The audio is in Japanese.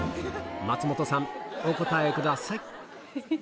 松本さん、お答えください。